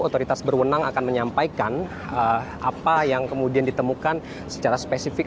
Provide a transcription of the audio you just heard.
otoritas berwenang akan menyampaikan apa yang kemudian ditemukan secara spesifik